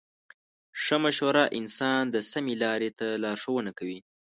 ښه مشوره انسان د سمې لارې ته لارښوونه کوي.